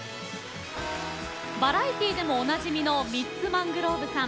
バラエティーでもおなじみのミッツ・マングローブさん